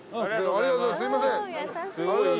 ありがとうございます。